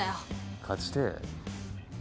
勝ちてえ？